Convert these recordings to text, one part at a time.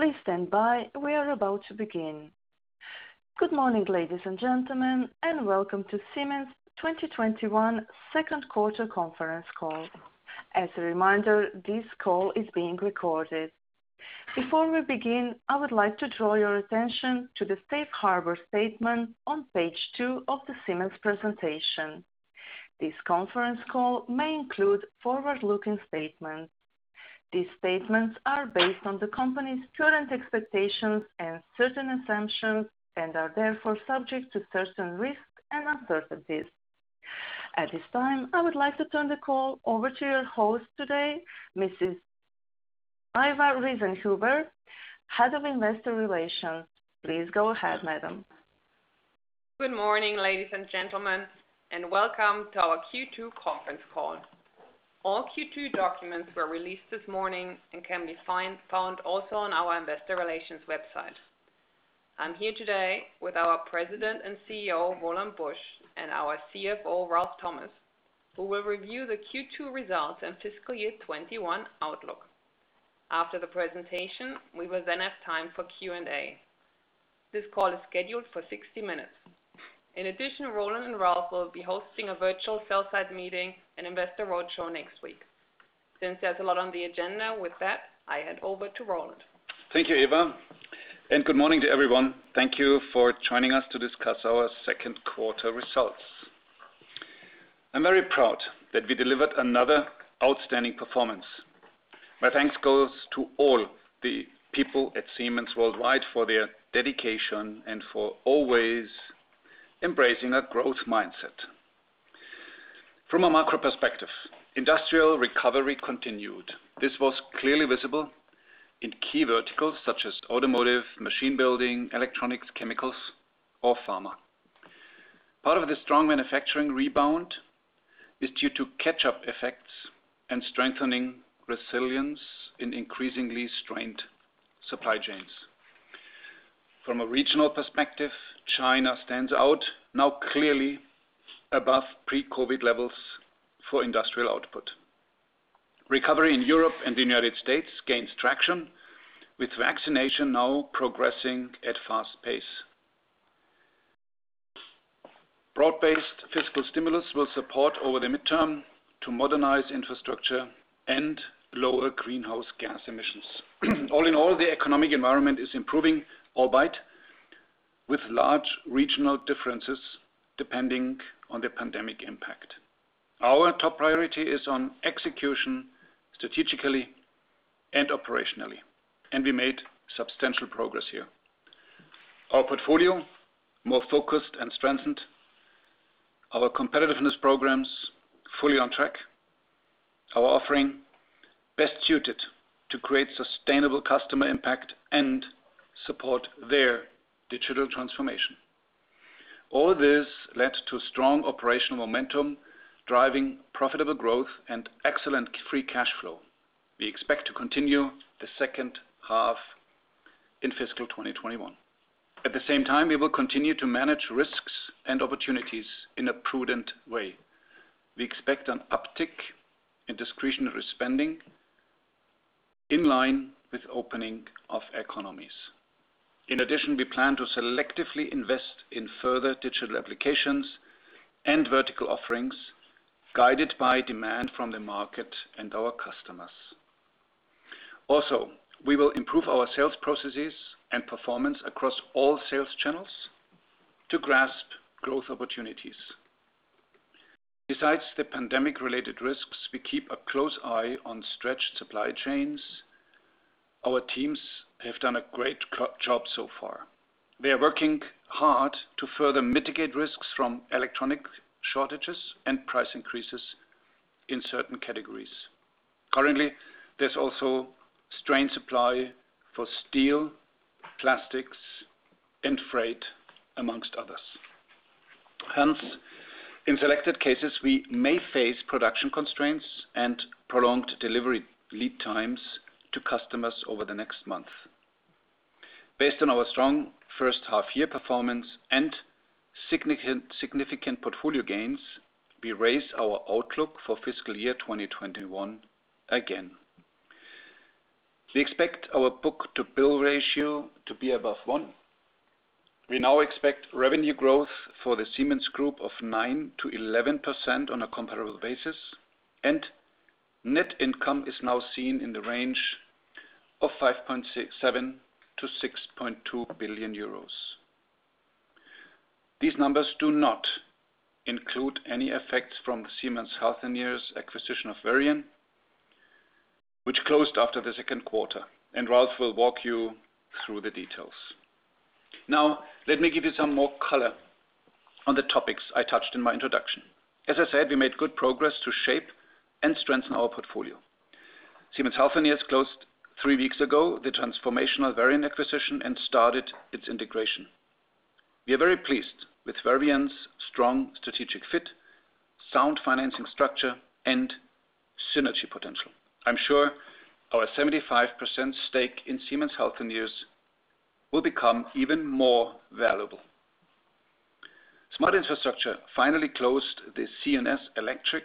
Good morning, ladies and gentlemen, and Welcome to Siemens' 2021 second quarter conference call. As a reminder, this call is being recorded. Before we begin, I would like to draw your attention to the safe harbor statement on page two of the Siemens presentation. This conference call may include forward-looking statements. These statements are based on the company's current expectations and certain assumptions and are therefore subject to certain risks and uncertainties. At this time, I would like to turn the call over to your host today, Mrs. Eva Riesenhuber, Head of Investor Relations. Please go ahead, madam. Good morning, ladies and gentlemen, and welcome to our Q2 conference call. All Q2 documents were released this morning and can be found also on our investor relations website. I'm here today with our President and CEO, Roland Busch, and our CFO, Ralf Thomas, who will review the Q2 results and fiscal year 2021 outlook. After the presentation, we will then have time for Q&A. This call is scheduled for 60 minutes. In addition, Roland and Ralf will be hosting a virtual sell-side meeting and investor roadshow next week. Since there's a lot on the agenda, with that, I hand over to Roland. Thank you, Eva, and good morning to everyone. Thank you for joining us to discuss our second quarter results. I'm very proud that we delivered another outstanding performance. My thanks goes to all the people at Siemens worldwide for their dedication and for always embracing a growth mindset. From a macro perspective, industrial recovery continued. This was clearly visible in key verticals such as automotive, machine building, electronics, chemicals, or pharma. Part of the strong manufacturing rebound is due to catch-up effects and strengthening resilience in increasingly strained supply chains. From a regional perspective, China stands out, now clearly above pre-COVID-19 levels for industrial output. Recovery in Europe and the U.S. gains traction, with vaccination now progressing at a fast pace. Broad-based fiscal stimulus will support over the midterm to modernize infrastructure and lower greenhouse gas emissions. The economic environment is improving, albeit with large regional differences depending on the pandemic impact. Our top priority is on execution, strategically and operationally, and we made substantial progress here. Our portfolio, more focused and strengthened. Our competitiveness programs, fully on track. Our offering, best suited to create sustainable customer impact and support their digital transformation. All this led to strong operational momentum, driving profitable growth and excellent free cash flow. We expect to continue the second half in fiscal 2021. At the same time, we will continue to manage risks and opportunities in a prudent way. We expect an uptick in discretionary spending in line with the opening of economies. We plan to selectively invest in further digital applications and vertical offerings, guided by demand from the market and our customers. We will improve our sales processes and performance across all sales channels to grasp growth opportunities. Besides the pandemic-related risks, we keep a close eye on stretched supply chains. Our teams have done a great job so far. They are working hard to further mitigate risks from electronic shortages and price increases in certain categories. Currently, there's also strained supply for steel, plastics, and freight, amongst others. In selected cases, we may face production constraints and prolonged delivery lead times to customers over the next month. Based on our strong first half-year performance and significant portfolio gains, we raise our outlook for fiscal year 2021 again. We expect our book-to-bill ratio to be above one. We now expect revenue growth for the Siemens Group of 9%-11% on a comparable basis, and net income is now seen in the range of 5.7 billion-6.2 billion euros. These numbers do not include any effects from the Siemens Healthineers acquisition of Varian, which closed after the second quarter, and Ralf will walk you through the details. Now, let me give you some more color on the topics I touched on in my introduction. As I said, we made good progress to shape and strengthen our portfolio. Siemens Healthineers closed three weeks ago, the transformational Varian acquisition, and started its integration. We are very pleased with Varian's strong strategic fit, sound financing structure, and synergy potential. I'm sure our 75% stake in Siemens Healthineers will become even more valuable. Smart Infrastructure finally closed the C&S Electric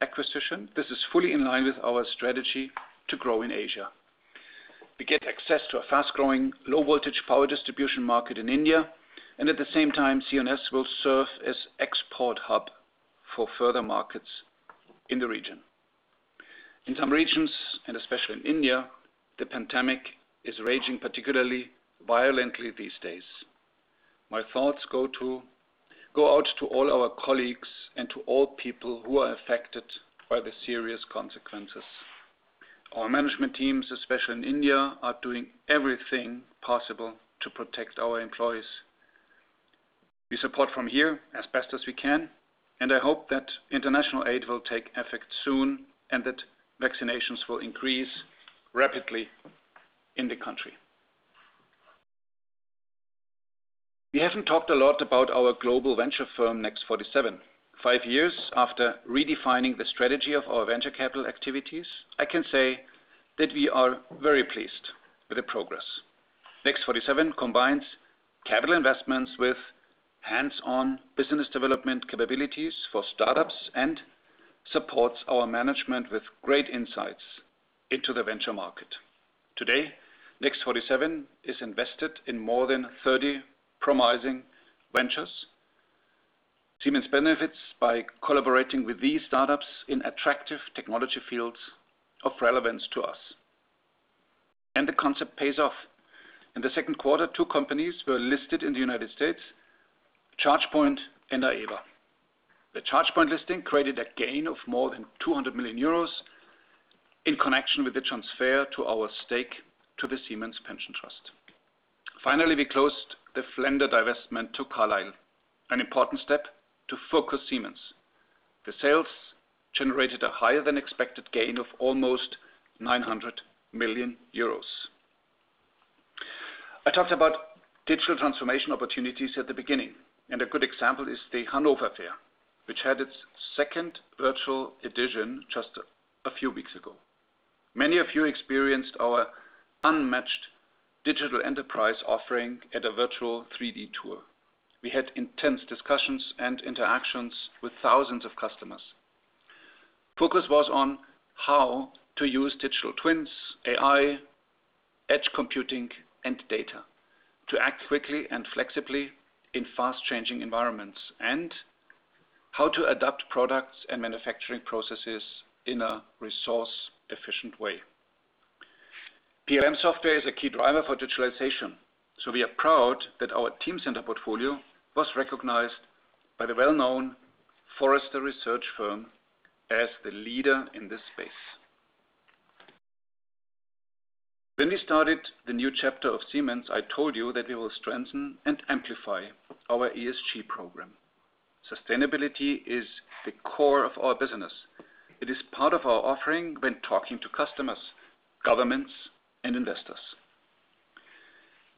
acquisition. This is fully in line with our strategy to grow in Asia. We get access to a fast-growing, low-voltage power distribution market in India, and at the same time, C&S will serve as export hub for further markets in the region. In some regions, and especially in India, the pandemic is raging particularly violently these days. My thoughts go out to all our colleagues and to all people who are affected by the serious consequences. Our management teams, especially in India, are doing everything possible to protect our employees. We support from here as best as we can, and I hope that international aid will take effect soon and that vaccinations will increase rapidly in the country. We haven't talked a lot about our global venture firm, Next47. Five years after redefining the strategy of our venture capital activities, I can say that we are very pleased with the progress. Next47 combines capital investments with hands-on business development capabilities for startups and supports our management with great insights into the venture market. Today, Next47 is invested in more than 30 promising ventures. Siemens benefits by collaborating with these startups in attractive technology fields of relevance to us. The concept pays off. In the second quarter, two companies were listed in the U.S., ChargePoint and Aeva. The ChargePoint listing created a gain of more than 200 million euros in connection with the transfer to our stake to the Siemens Pension-Trust e.V. Finally, we closed the Flender divestment to Carlyle, an important step to focus Siemens. The sales generated a higher-than-expected gain of almost 900 million euros. I talked about digital transformation opportunities at the beginning. A good example is the Hanover Fair, which had its second virtual edition just a few weeks ago. Many of you experienced our unmatched digital enterprise offering at a virtual 3D tour. We had intense discussions and interactions with thousands of customers. Focus was on how to use Digital Twins, AI, edge computing, and data to act quickly and flexibly in fast-changing environments and how to adapt products and manufacturing processes in a resource-efficient way. We are proud that our Teamcenter portfolio was recognized by the well-known Forrester Research firm as the leader in this space. When we started the new chapter of Siemens, I told you that we will strengthen and amplify our ESG program. Sustainability is the core of our business. It is part of our offering when talking to customers, governments, and investors.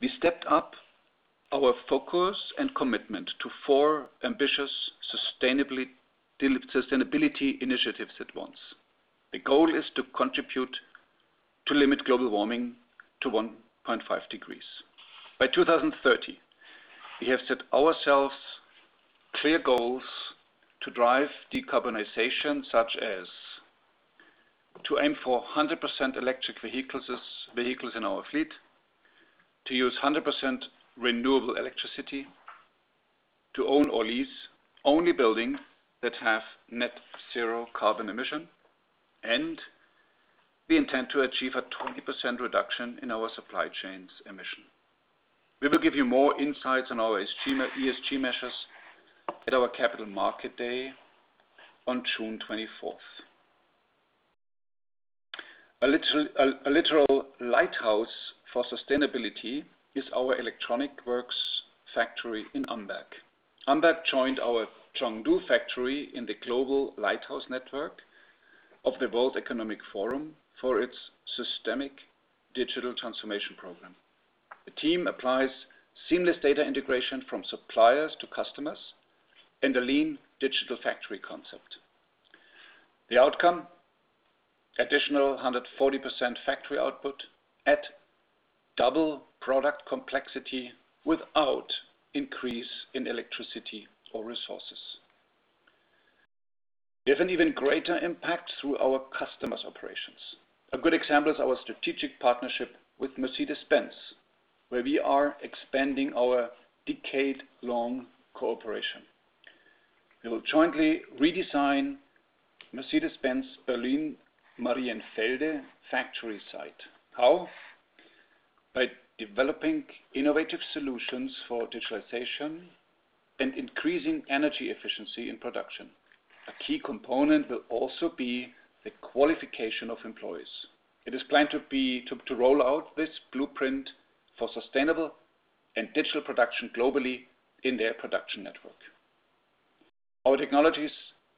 We stepped up our focus and commitment to four ambitious sustainability initiatives at once. The goal is to contribute to limit global warming to 1.5 degrees. By 2030, we have set ourselves clear goals to drive decarbonization, such as to aim for 100% electric vehicles in our fleet, to use 100% renewable electricity, to own or lease only buildings that have net-zero carbon emission, and we intend to achieve a 20% reduction in our supply chains emission. We will give you more insights on our ESG measures at our Capital Market Day on June 24th. A literal lighthouse for sustainability is our electronic works factory in Amberg. Amberg joined our Chengdu factory in the global lighthouse network of the World Economic Forum for its systemic digital transformation program. The team applies seamless data integration from suppliers to customers in the lean digital factory concept. The outcome, additional 140% factory output at double product complexity without increase in electricity or resources. We have an even greater impact through our customers' operations. A good example is our strategic partnership with Mercedes-Benz, where we are expanding our decade-long cooperation. We will jointly redesign Mercedes-Benz Berlin Marienfelde factory site. How? By developing innovative solutions for digitalization and increasing energy efficiency in production. A key component will also be the qualification of employees. It is planned to roll out this blueprint for sustainable and digital production globally in their production network. Our technologies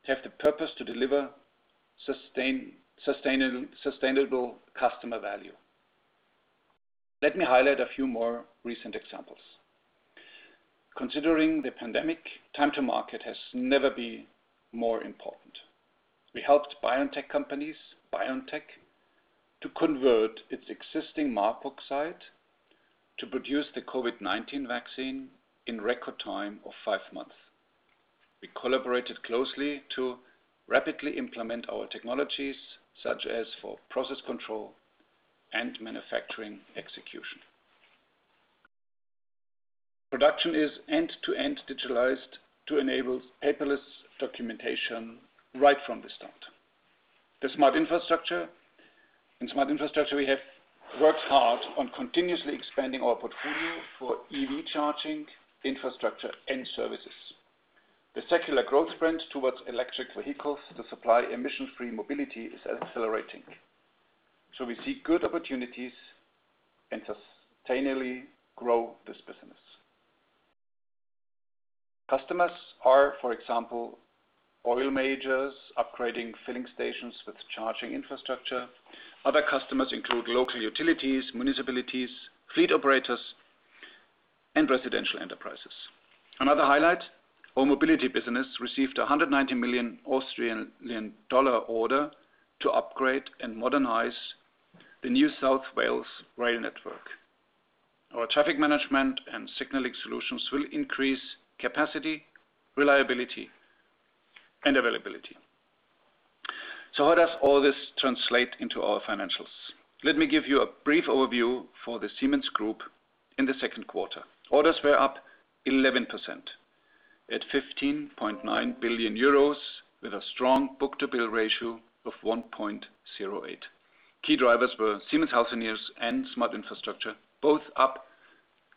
have the purpose to deliver sustainable customer value. Let me highlight a few more recent examples. Considering the pandemic, time to market has never been more important. We helped biotech companies, BioNTech, to convert its existing Marburg site to produce the COVID-19 vaccine in record time of five months. We collaborated closely to rapidly implement our technologies, such as for process control and manufacturing execution. Production is end-to-end digitalized to enable paperless documentation right from the start. In Smart Infrastructure, we have worked hard on continuously expanding our portfolio for EV charging, infrastructure, and services. Secular growth trend towards electric vehicles to supply emission-free mobility is accelerating. We see good opportunities and sustainably grow this business. Customers are, for example, oil majors upgrading filling stations with charging infrastructure. Other customers include local utilities, municipalities, fleet operators, and residential enterprises. Another highlight, our mobility business received 190 million Australian dollar order to upgrade and modernize the New South Wales rail network. Our traffic management and signaling solutions will increase capacity, reliability, and availability. How does all this translate into our financials? Let me give you a brief overview for the Siemens Group in the second quarter. Orders were up 11% at 15.9 billion euros, with a strong book-to-bill ratio of 1.08. Key drivers were Siemens Healthineers and Smart Infrastructure, both up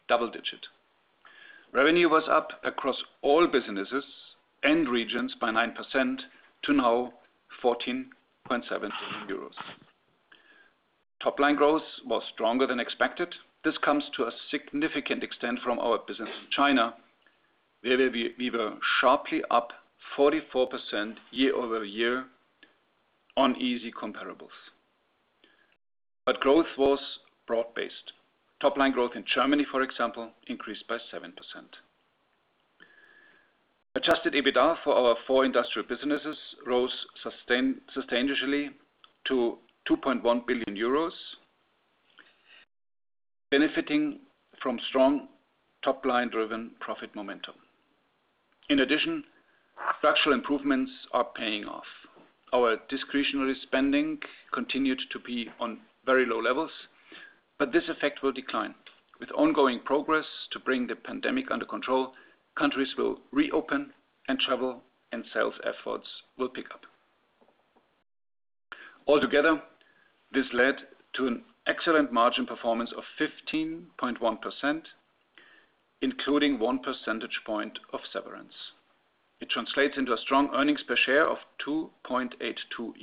double digit. Revenue was up across all businesses and regions by 9% to now 14.7 billion euros. Top-line growth was stronger than expected. This comes to a significant extent from our business in China, where we were sharply up 44% year-over-year on easy comparables. Growth was broad-based. Top-line growth in Germany, for example, increased by 7%. Adjusted EBITDA for our four industrial businesses rose sustainably to 2.1 billion euros, benefiting from strong top-line-driven profit momentum. In addition, structural improvements are paying off. Our discretionary spending continued to be on very low levels, but this effect will decline. With ongoing progress to bring the pandemic under control, countries will reopen, and travel and sales efforts will pick up. Altogether, this led to an excellent margin performance of 15.1%, including one percentage point of severance. It translates into a strong earnings per share of 2.82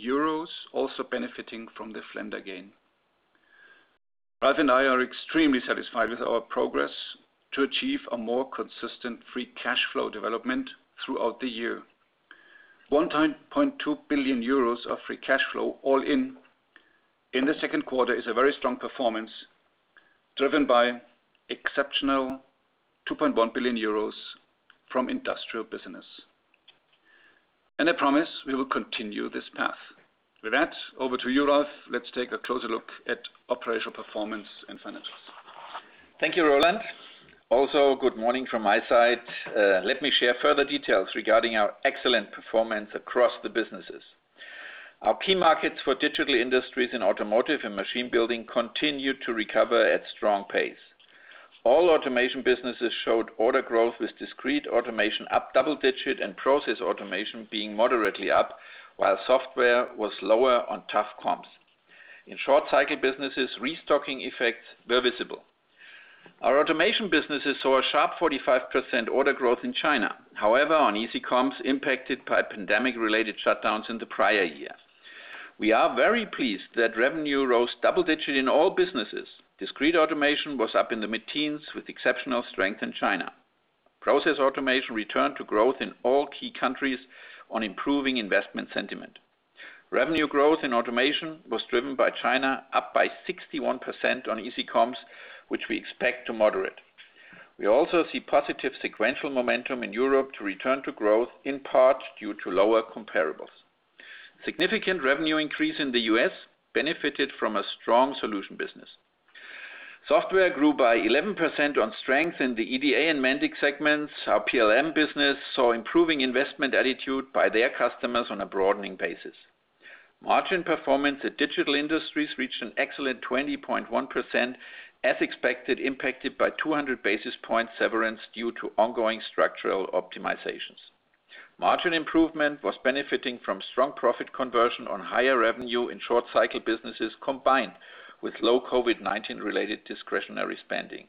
euros, also benefiting from the Flender gain. Ralf and I are extremely satisfied with our progress to achieve a more consistent free cash flow development throughout the year. 1.2 billion euros of free cash flow, all in the second quarter is a very strong performance, driven by exceptional 2.1 billion euros from industrial business. I promise we will continue this path. With that, over to you, Ralf. Let's take a closer look at operational performance and financials. Thank you, Roland. Also, good morning from my side. Let me share further details regarding our excellent performance across the businesses. Our key markets for Digital Industries in automotive and machine building continued to recover at strong pace. All automation businesses showed order growth with discrete automation up double-digit and process automation being moderately up, while software was lower on tough comps. In short-cycle businesses, restocking effects were visible. Our automation businesses saw a sharp 45% order growth in China. On easy comps impacted by pandemic-related shutdowns in the prior year. We are very pleased that revenue rose double-digit in all businesses. Discrete automation was up in the mid-teens with exceptional strength in China. Process automation returned to growth in all key countries on improving investment sentiment. Revenue growth in automation was driven by China, up by 61% on easy comps, which we expect to moderate. We also see positive sequential momentum in Europe to return to growth, in part due to lower comparables. Significant revenue increase in the U.S. benefited from a strong solution business. Software grew by 11% on strength in the EDA and Mendix segments. Our PLM business saw improving investment attitude by their customers on a broadening basis. Margin performance at Digital Industries reached an excellent 20.1%, as expected, impacted by 200 basis point severance due to ongoing structural optimizations. Margin improvement was benefiting from strong profit conversion on higher revenue in short cycle businesses, combined with low COVID-19-related discretionary spending.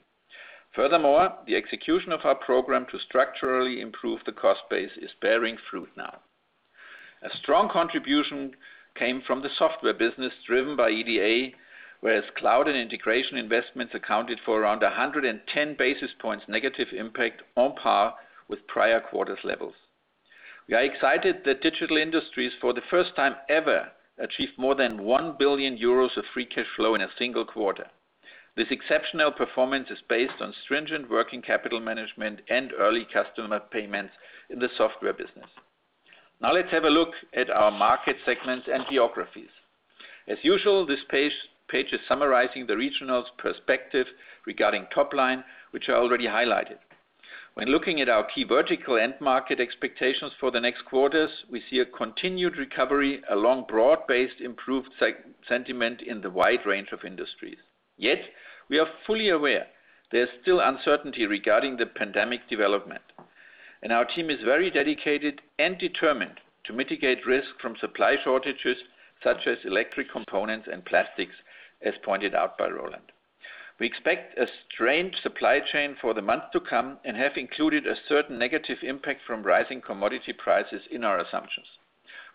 The execution of our program to structurally improve the cost base is bearing fruit now. A strong contribution came from the software business driven by EDA, whereas cloud and integration investments accounted for around 110 basis points negative impact on par with prior quarters levels. We are excited that Digital Industries, for the first time ever, achieved more than 1 billion euros of free cash flow in a single quarter. This exceptional performance is based on stringent working capital management and early customer payments in the software business. Now let's have a look at our market segments and geographies. As usual, this page is summarizing the regionals perspective regarding top line, which I already highlighted. When looking at our key vertical end market expectations for the next quarters, we see a continued recovery along broad-based improved sentiment in the wide range of industries. Yet, we are fully aware there's still uncertainty regarding the pandemic development, and our team is very dedicated and determined to mitigate risk from supply shortages such as electric components and plastics, as pointed out by Roland. We expect a strained supply chain for the months to come and have included a certain negative impact from rising commodity prices in our assumptions.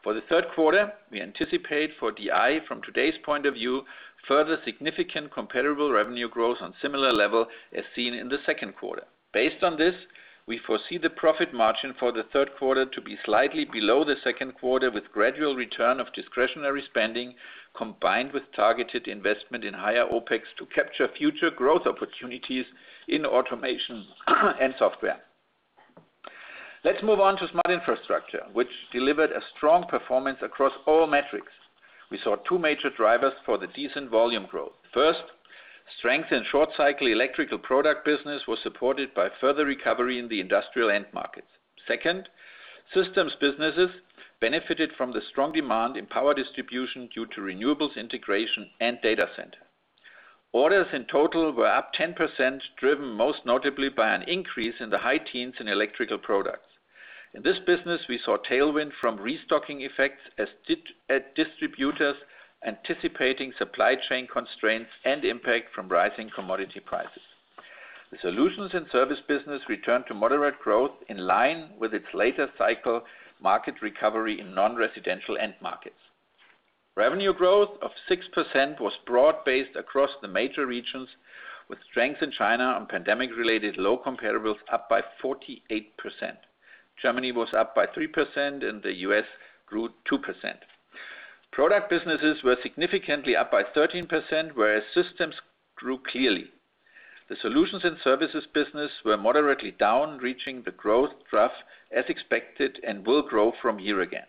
For the third quarter, we anticipate for DI from today's point of view, further significant comparable revenue growth on similar level as seen in the second quarter. Based on this, we foresee the profit margin for the third quarter to be slightly below the second quarter, with gradual return of discretionary spending combined with targeted investment in higher OPEX to capture future growth opportunities in automation and software. Let's move on to Smart Infrastructure, which delivered a strong performance across all metrics. We saw two major drivers for the decent volume growth. First, strength in short cycle electrical product business was supported by further recovery in the industrial end markets. Systems businesses benefited from the strong demand in power distribution due to renewables integration and data center. Orders in total were up 10%, driven most notably by an increase in the high teens in electrical products. In this business, we saw tailwind from restocking effects at distributors anticipating supply chain constraints and impact from rising commodity prices. The solutions and service business returned to moderate growth in line with its later cycle market recovery in non-residential end markets. Revenue growth of 6% was broad-based across the major regions with strength in China on pandemic-related low comparables up by 48%. Germany was up by 3% and the U.S. grew 2%. Product businesses were significantly up by 13%, whereas systems grew clearly. The solutions and services business were moderately down, reaching the growth trough as expected and will grow from here again.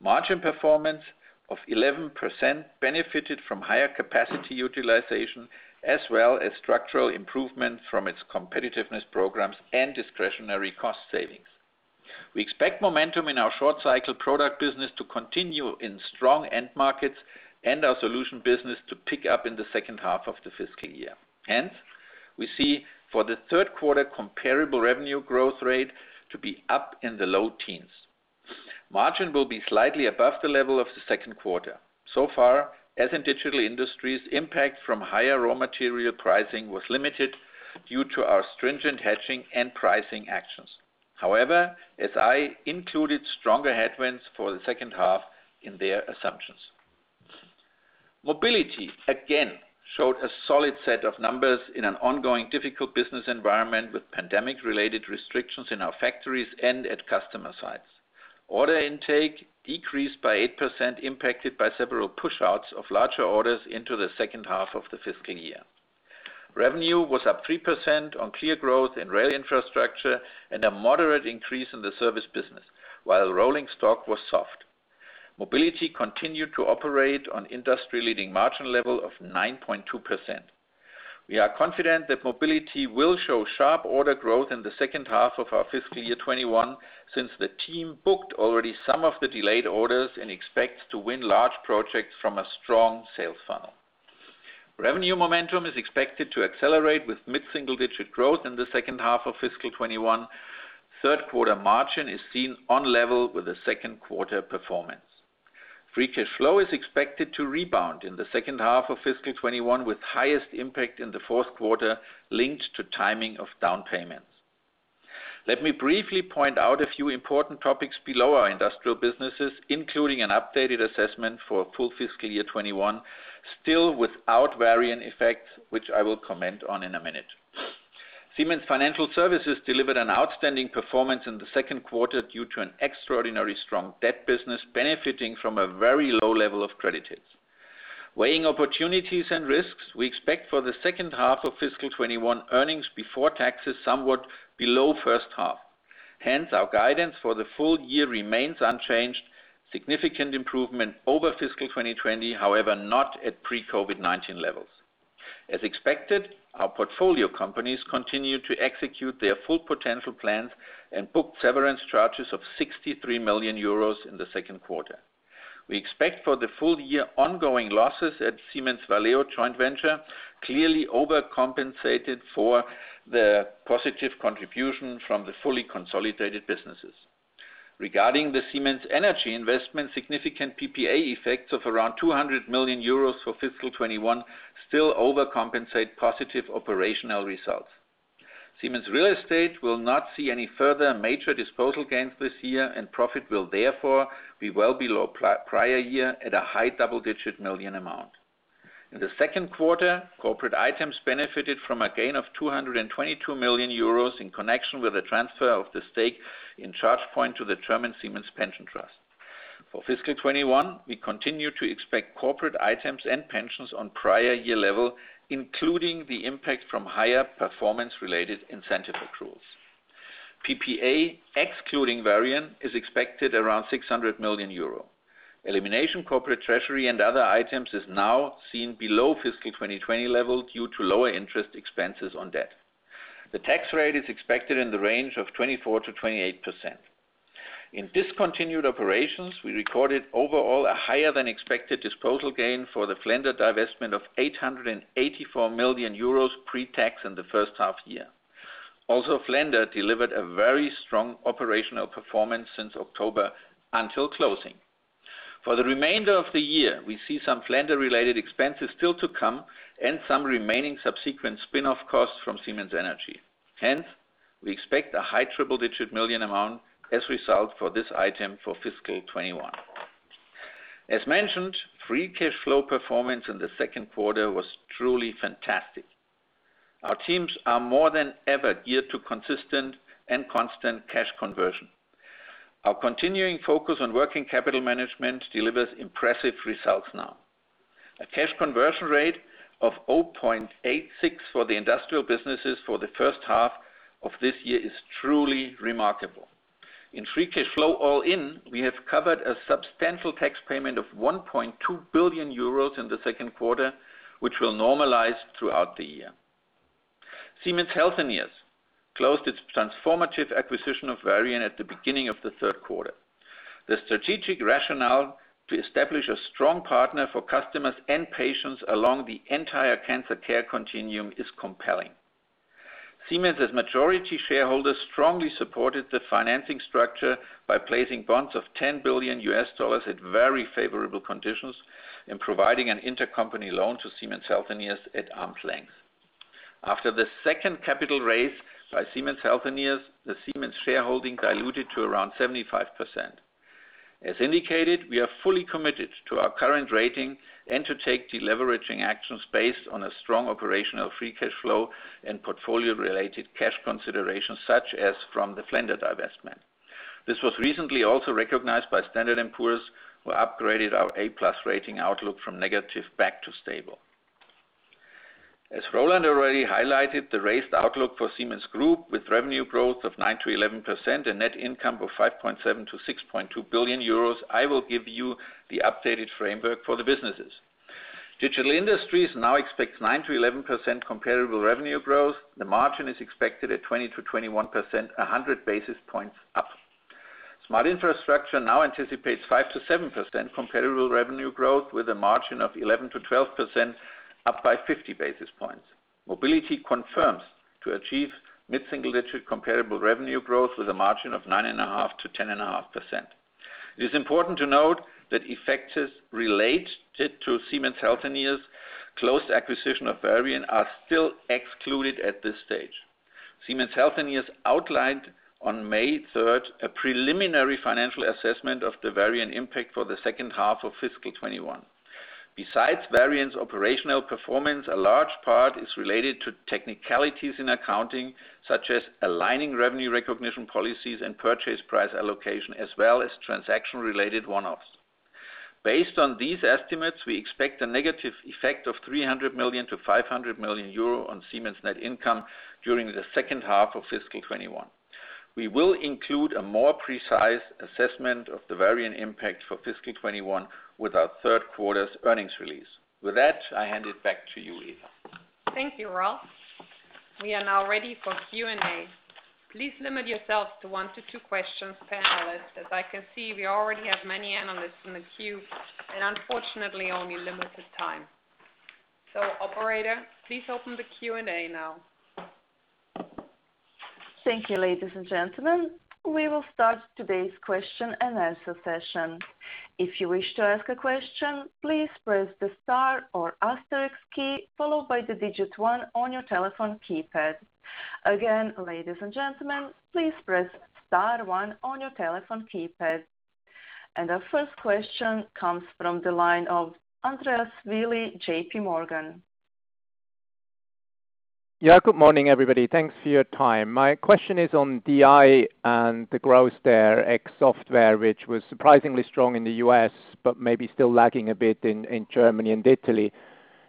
Margin performance of 11% benefited from higher capacity utilization as well as structural improvement from its competitiveness programs and discretionary cost savings. We expect momentum in our short cycle product business to continue in strong end markets and our solution business to pick up in the second half of the fiscal year. Hence, we see for the third quarter comparable revenue growth rate to be up in the low teens. Margin will be slightly above the level of the second quarter. So far, as in Digital Industries, impact from higher raw material pricing was limited due to our stringent hedging and pricing actions. However, SI included stronger headwinds for the second half in their assumptions. Mobility, again, showed a solid set of numbers in an ongoing difficult business environment with pandemic-related restrictions in our factories and at customer sites. Order intake decreased by 8%, impacted by several pushouts of larger orders into the second half of the fiscal year. Revenue was up 3% on clear growth in rail infrastructure and a moderate increase in the service business, while rolling stock was soft. Mobility continued to operate on industry-leading margin level of 9.2%. We are confident that Mobility will show sharp order growth in the second half of our fiscal year 2021, since the team booked already some of the delayed orders and expects to win large projects from a strong sales funnel. Revenue momentum is expected to accelerate with mid-single digit growth in the second half of fiscal 2021. Third quarter margin is seen on level with the second quarter performance. Free cash flow is expected to rebound in the second half of fiscal 2021, with highest impact in the fourth quarter linked to timing of down payments. Let me briefly point out a few important topics below our industrial businesses, including an updated assessment for full fiscal year 2021, still without Varian effect, which I will comment on in a minute. Siemens Financial Services delivered an outstanding performance in the second quarter due to an extraordinarily strong debt business benefiting from a very low level of credit hits. Weighing opportunities and risks, we expect for the second half of fiscal 2021 earnings before taxes somewhat below first half. Hence, our guidance for the full year remains unchanged, significant improvement over fiscal 2020, however, not at pre-COVID-19 levels. As expected, our portfolio companies continued to execute their full potential plans and booked severance charges of 63 million euros in the second quarter. We expect for the full year ongoing losses at Siemens Valeo joint venture, clearly overcompensated for the positive contribution from the fully consolidated businesses. Regarding the Siemens Energy investment, significant PPA effects of around 200 million euros for fiscal 2021 still overcompensate positive operational results. Siemens Real Estate will not see any further major disposal gains this year, and profit will therefore be well below prior year at a high double-digit million amount. In the second quarter, corporate items benefited from a gain of 222 million euros in connection with the transfer of the stake in ChargePoint to the German Siemens Pension Trust. For fiscal 2021, we continue to expect corporate items and pensions on prior year level, including the impact from higher performance-related incentive accruals. PPA, excluding Varian, is expected around 600 million euro. Elimination corporate treasury and other items is now seen below fiscal 2020 level due to lower interest expenses on debt. The tax rate is expected in the range of 24%-28%. In discontinued operations, we recorded overall a higher than expected disposal gain for the Flender divestment of 884 million euros pre-tax in the first half year. Also, Flender delivered a very strong operational performance since October until closing. For the remainder of the year, we see some Flender-related expenses still to come and some remaining subsequent spin-off costs from Siemens Energy. Hence, we expect a high triple-digit million amount as a result for this item for fiscal 2021. As mentioned, free cash flow performance in the second quarter was truly fantastic. Our teams are more than ever geared to consistent and constant cash conversion. Our continuing focus on working capital management delivers impressive results now. A cash conversion rate of 0.86 for the industrial businesses for the first half of this year is truly remarkable. In free cash flow all-in, we have covered a substantial tax payment of 1.2 billion euros in the second quarter, which will normalize throughout the year. Siemens Healthineers closed its transformative acquisition of Varian at the beginning of the third quarter. The strategic rationale to establish a strong partner for customers and patients along the entire cancer care continuum is compelling. Siemens' majority shareholders strongly supported the financing structure by placing bonds of $10 billion at very favorable conditions and providing an intercompany loan to Siemens Healthineers at arm's length. After the second capital raise by Siemens Healthineers, the Siemens shareholding diluted to around 75%. As indicated, we are fully committed to our current rating and to take deleveraging actions based on a strong operational free cash flow and portfolio-related cash considerations, such as from the Flender divestment. This was recently also recognized by Standard & Poor's, who upgraded our A+ rating outlook from negative back to stable. As Roland already highlighted, the raised outlook for Siemens Group with revenue growth of 9%-11% and net income of 5.7 billion-6.2 billion euros, I will give you the updated framework for the businesses. Digital Industries now expects 9%-11% comparable revenue growth. The margin is expected at 20%-21%, 100 basis points up. Smart Infrastructure now anticipates 5%-7% comparable revenue growth, with a margin of 11%-12%, up by 50 basis points. Mobility confirms to achieve mid-single-digit comparable revenue growth with a margin of 9.5%-10.5%. It is important to note that effects related to Siemens Healthineers' closed acquisition of Varian are still excluded at this stage. Siemens Healthineers outlined on May 3rd a preliminary financial assessment of the Varian impact for the second half of fiscal 2021. Besides Varian's operational performance, a large part is related to technicalities in accounting, such as aligning revenue recognition policies and purchase price allocation, as well as transaction-related one-offs. Based on these estimates, we expect a negative effect of 300 million to 500 million euro on Siemens' net income during the second half of fiscal 2021. We will include a more precise assessment of the Varian impact for fiscal 2021 with our third quarter's earnings release. With that, I hand it back to you, Eva. Thank you, Ralf. We are now ready for Q&A. Please limit yourselves to one to two questions per analyst. As I can see, we already have many analysts in the queue, and unfortunately, only limited time. Operator, please open the Q&A now. Thank you, ladies and gentlemen. We will start today's question-and-answer session. If you wish to ask a question, please press the star or asterisk key followed by the digit one on your telephone keypad. Again, ladies and gentlemen, please press star one on your telephone keypad. Our first question comes from the line of Andreas Willi, JPMorgan. Yeah, good morning, everybody. Thanks for your time. My question is on DI and the growth there, ex software, which was surprisingly strong in the U.S., but maybe still lagging a bit in Germany and Italy.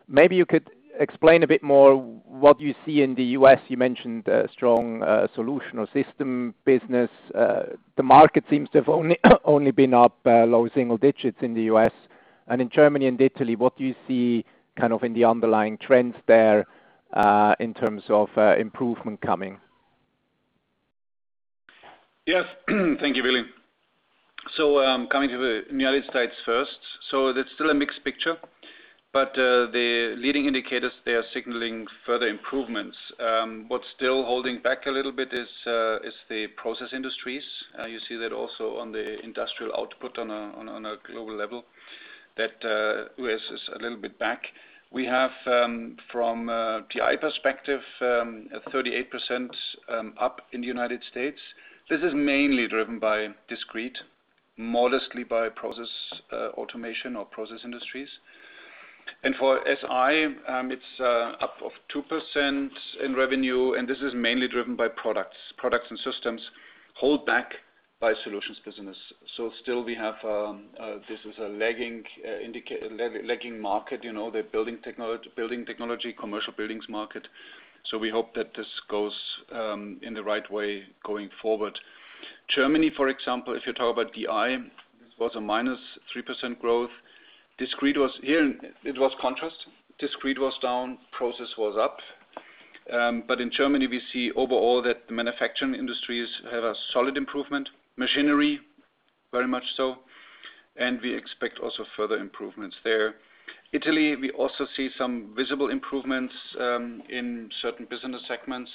Maybe you could explain a bit more what you see in the U.S. You mentioned a strong solution or system business. The market seems to have only been up low single digits in the U.S. In Germany and Italy, what do you see in the underlying trends there, in terms of improvement coming? Yes. Thank you, Willi. Coming to the U.S. first. That's still a mixed picture, but the leading indicators, they are signaling further improvements. What's still holding back a little bit is the process industries. You see that also on the industrial output on a global level, that U.S. is a little bit back. We have, from a DI perspective, a 38% up in the U.S. This is mainly driven by discrete, modestly by process automation or process industries. And for SI, it's up of 2% in revenue, and this is mainly driven by products. Products and systems hold back by solutions business. Still we have, this is a lagging market. The building technology, commercial buildings market. We hope that this goes in the right way going forward. Germany, for example, if you talk about DI, was a -3% growth. Here, it was contrast. Discrete was down, process was up. In Germany, we see overall that the manufacturing industries have a solid improvement. Machinery, very much so, we expect also further improvements there. Italy, we also see some visible improvements in certain business segments.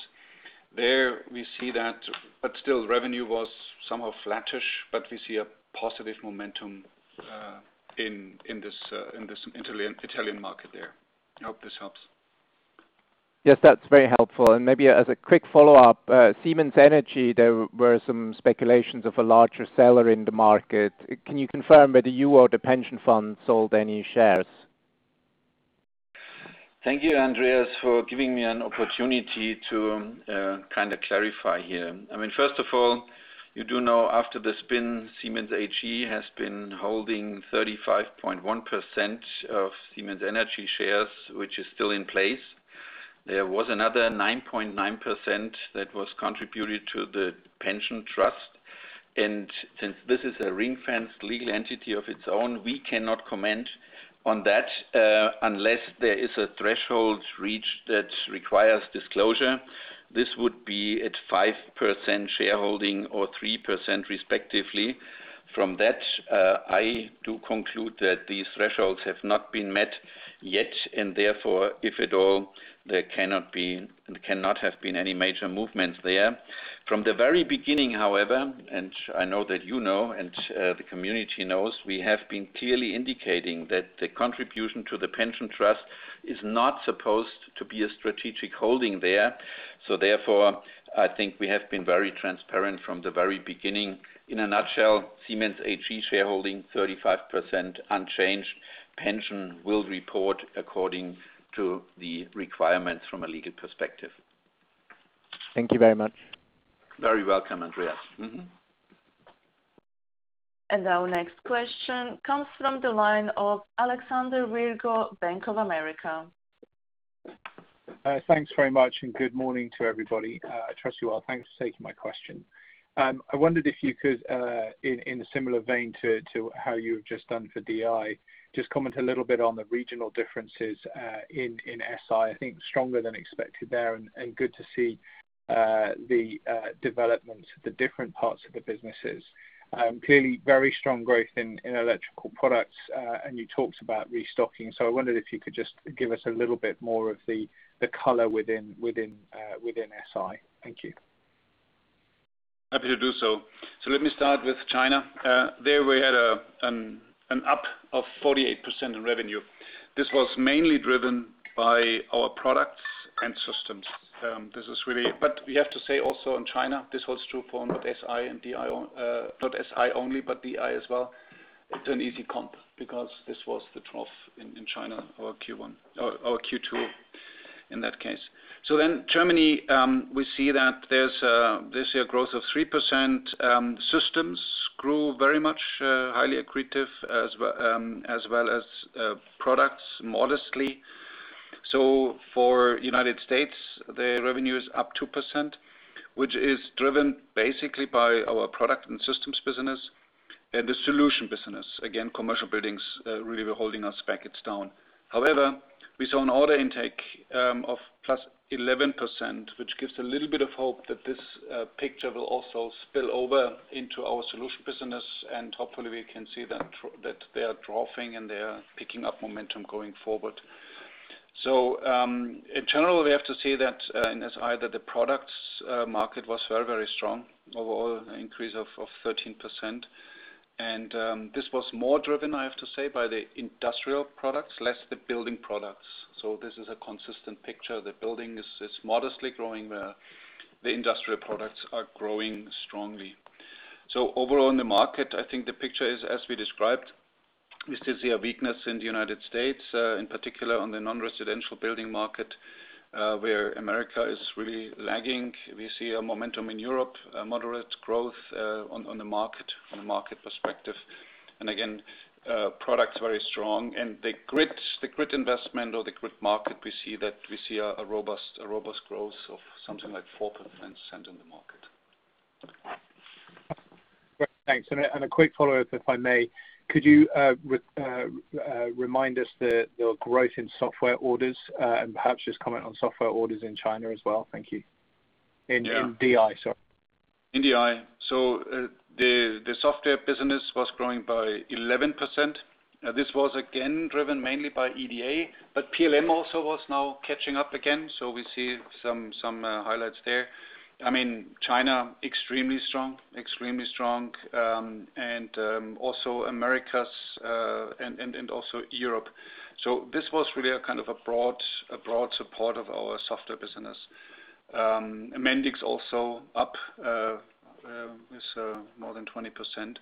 There we see that, still revenue was somehow flattish, we see a positive momentum in this Italian market there. I hope this helps. Yes, that's very helpful. Maybe as a quick follow-up, Siemens Energy, there were some speculations of a larger seller in the market. Can you confirm whether you or the Pension Fund sold any shares? Thank you, Andreas, for giving me an opportunity to kind of clarify here. First of all, you do know after the spin, Siemens AG has been holding 35.1% of Siemens Energy shares, which is still in place. There was another 9.9% that was contributed to the pension trust. Since this is a ring-fence legal entity of its own, we cannot comment on that, unless there is a threshold reached that requires disclosure. This would be at 5% shareholding or 3%, respectively. From that, I do conclude that these thresholds have not been met yet, and therefore, if at all, there cannot have been any major movements there. From the very beginning, however, and I know that you know, and the community knows, we have been clearly indicating that the contribution to the pension trust is not supposed to be a strategic holding there. Therefore, I think we have been very transparent from the very beginning. In a nutshell, Siemens AG shareholding 35% unchanged. Pension will report according to the requirements from a legal perspective. Thank you very much. Very welcome, Andreas. Mm-hmm. Our next question comes from the line of Alexander Virgo, Bank of America. Thanks very much, good morning to everybody. I trust you well. Thanks for taking my question. I wondered if you could, in a similar vein to how you've just done for DI, just comment a little bit on the regional differences in SI. I think stronger than expected there and good to see the developments of the different parts of the businesses. Clearly very strong growth in electrical products, and you talked about restocking. I wondered if you could just give us a little bit more of the color within SI. Thank you. Happy to do so. Let me start with China. There we had an up of 48% in revenue. This was mainly driven by our products and systems. We have to say also in China, this holds true for not SI only, but DI as well. It's an easy comp because this was the trough in China for Q1 or Q2 in that case. Germany, we see that there's a growth of 3%. Systems grew very much, highly accretive, as well as products modestly. For United States, the revenue is up 2%, which is driven basically by our product and systems business and the solution business. Again, commercial buildings really were holding us back. It's down. However, we saw an order intake of +11%, which gives a little bit of hope that this picture will also spill over into our solution business, and hopefully we can see that they are troughing and they are picking up momentum going forward. In general, we have to say that in SI, that the products market was very, very strong. Overall increase of 13%. This was more driven, I have to say, by the industrial products, less the building products. This is a consistent picture. The building is modestly growing. The industrial products are growing strongly. Overall in the market, I think the picture is as we described. We still see a weakness in the U.S., in particular on the non-residential building market, where the U.S. is really lagging. We see a momentum in Europe, a moderate growth on the market perspective. Again, products very strong. The grid investment or the grid market, we see a robust growth of something like 4% in the market. Great. Thanks. A quick follow-up, if I may. Could you remind us the growth in software orders, and perhaps just comment on software orders in China as well? Thank you. Yeah. In DI, sorry. In DI. The software business was growing by 11%. This was again, driven mainly by EDA, PLM also was now catching up again. We see some highlights there. China, extremely strong. Also Americas, and also Europe. This was really a kind of a broad support of our software business. Mendix also up with more than 20%.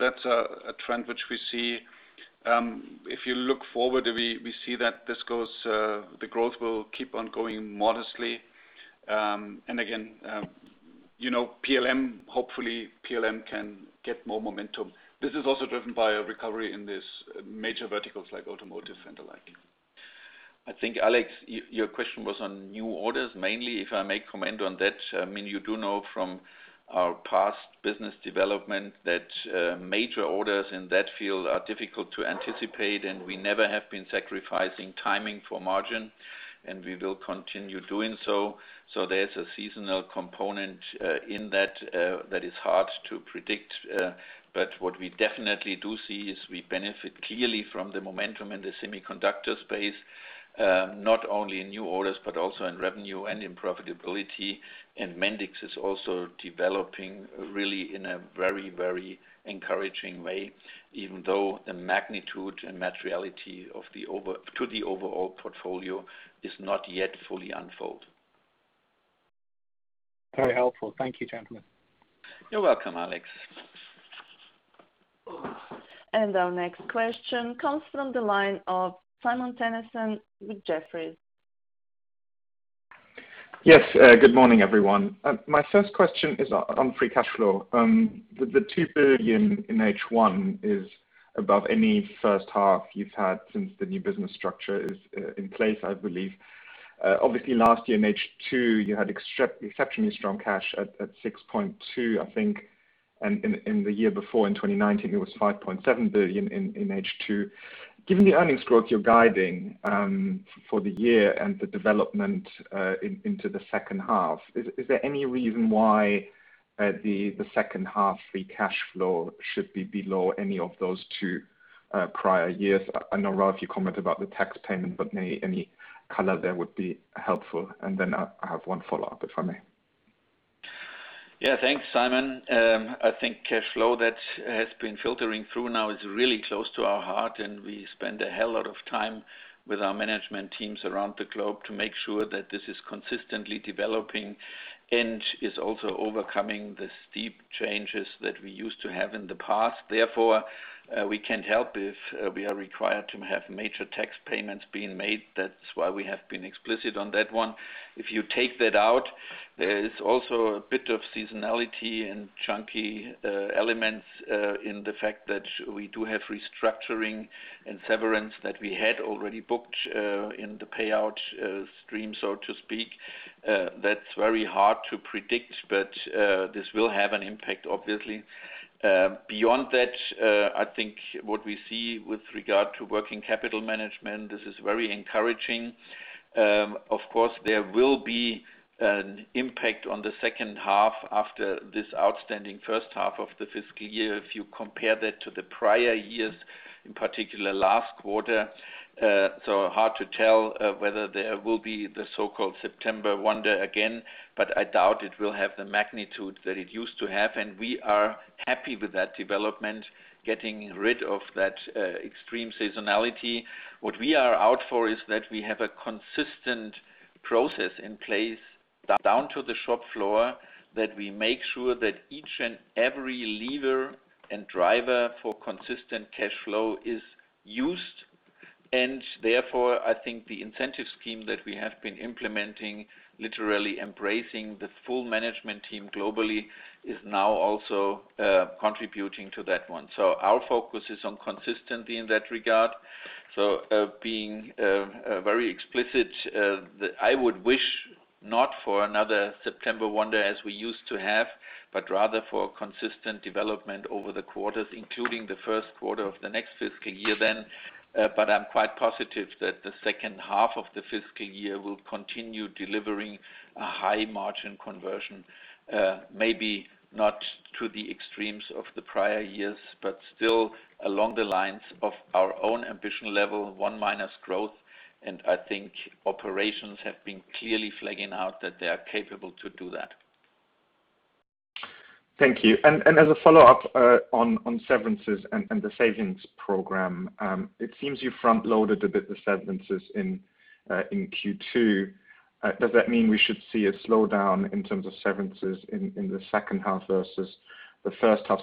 That's a trend which we see. If you look forward, we see that the growth will keep on going modestly. Again, hopefully PLM can get more momentum. This is also driven by a recovery in these major verticals like automotive and the like. I think, Alex, your question was on new orders mainly. If I may comment on that, you do know from our past business development that major orders in that field are difficult to anticipate, and we never have been sacrificing timing for margin, and we will continue doing so. There's a seasonal component in that that is hard to predict. What we definitely do see is we benefit clearly from the momentum in the semiconductor space, not only in new orders but also in revenue and in profitability. Mendix is also developing really in a very encouraging way, even though the magnitude and materiality to the overall portfolio is not yet fully unfold. Very helpful. Thank you, gentlemen. You're welcome, Alex. Our next question comes from the line of Simon Toennessen with Jefferies. Yes. Good morning, everyone. My first question is on free cash flow. The 2 billion in H1 is above any first half you've had since the new business structure is in place, I believe. Obviously, last year in H2, you had exceptionally strong cash at 6.2 billion, I think, and the year before in 2019, it was 5.7 billion in H2. Given the earnings growth you're guiding for the year and the development into the second half, is there any reason why the second half free cash flow should be below any of those two prior years? I know, Ralf, you commented about the tax payment. Any color there would be helpful. I have one follow-up, if I may. Thanks, Simon. I think cash flow that has been filtering through now is really close to our heart, and we spend a hell of time with our management teams around the globe to make sure that this is consistently developing and is also overcoming the steep changes that we used to have in the past. We can't help if we are required to have major tax payments being made. That's why we have been explicit on that one. If you take that out, there is also a bit of seasonality and chunky elements in the fact that we do have restructuring and severance that we had already booked in the payout stream, so to speak. That's very hard to predict, but this will have an impact, obviously. Beyond that, I think what we see with regard to working capital management, this is very encouraging. Of course, there will be an impact on the second half after this outstanding first half of the fiscal year if you compare that to the prior years, in particular last quarter. Hard to tell whether there will be the so-called September wonder again, but I doubt it will have the magnitude that it used to have, and we are happy with that development, getting rid of that extreme seasonality. What we are out for is that we have a consistent process in place down to the shop floor, that we make sure that each and every lever and driver for consistent cash flow is used. Therefore, I think the incentive scheme that we have been implementing, literally embracing the full management team globally, is now also contributing to that one. Our focus is on consistency in that regard. Being very explicit, I would wish not for another September wonder as we used to have, but rather for consistent development over the quarters, including the first quarter of the next fiscal year then. I'm quite positive that the second half of the fiscal year will continue delivering a high margin conversion maybe not to the extremes of the prior years, but still along the lines of our own ambition level, one minus growth, and I think operations have been clearly flagging out that they are capable to do that. Thank you. As a follow-up on severances and the savings program, it seems you front-loaded a bit the severances in Q2. Does that mean we should see a slowdown in terms of severances in the second half versus the first half?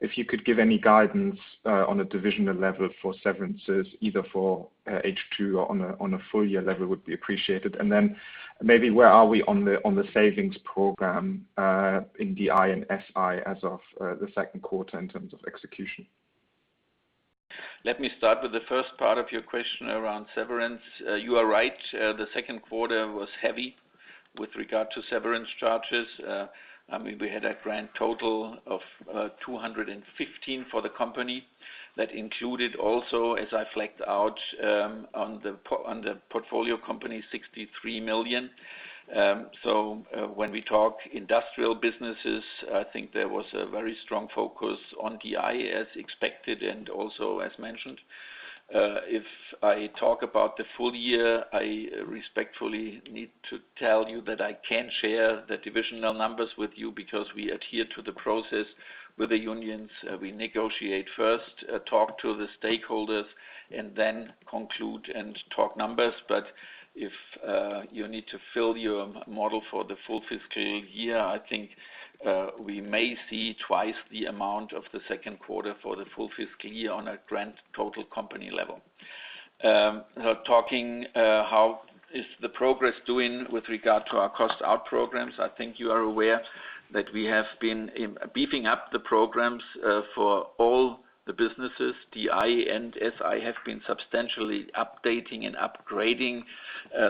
If you could give any guidance on a divisional level for severances, either for H2 or on a full-year level, would be appreciated. Maybe where are we on the savings program in DI and SI as of the second quarter in terms of execution? Let me start with the first part of your question around severance. You are right, the second quarter was heavy with regard to severance charges. We had a grand total of 215 million for the company. That included also, as I flagged out on the portfolio company, 63 million. When we talk industrial businesses, I think there was a very strong focus on DI as expected and also as mentioned. If I talk about the full year, I respectfully need to tell you that I can't share the divisional numbers with you because we adhere to the process with the unions. We negotiate first, talk to the stakeholders, and then conclude and talk numbers. If you need to fill your model for the full fiscal year, I think we may see twice the amount of the second quarter for the full fiscal year on a grand total company level. Now talking how is the progress doing with regard to our cost-out programs, I think you are aware that we have been beefing up the programs for all the businesses. DI&SI have been substantially updating and upgrading